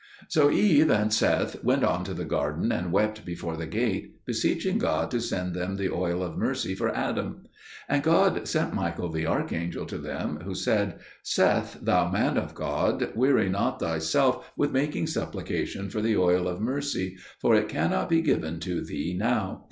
So Eve and Seth went on to the garden and wept before the gate, beseeching God to send them the oil of mercy for Adam. And God sent Michael the archangel to them, who said, "Seth, thou man of God, weary not thyself with making supplication for the oil of mercy, for it cannot be given to thee now.